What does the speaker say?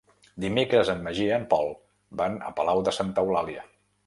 Dimecres en Magí i en Pol van a Palau de Santa Eulàlia.